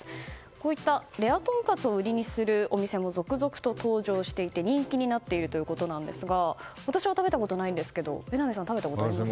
こういったレアとんかつを売りにするお店も続々と登場していて人気になっているということですが私は食べたことないんですが榎並さんは食べたことあります？